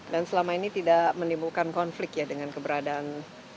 dan selama ini tidak menimbulkan konflik ya dengan keberadaan